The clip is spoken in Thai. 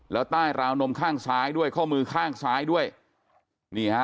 แล้วตายราวนมข้างซ้ายด้วยเค้ามือข้างซ้ายด้วย